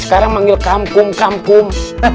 sekarang manggil kamkum kamkum